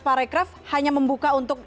paragraph hanya membuka untuk